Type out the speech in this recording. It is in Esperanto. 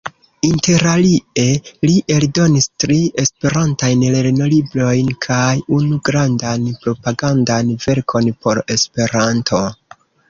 Interalie li eldonis tri esperantajn lernolibrojn kaj unu grandan propagandan verkon por Esperanto.